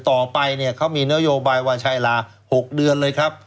ต่อไปเนี่ยเขามีนโยบายว่าใช้เวลา๖เดือนเลยครับ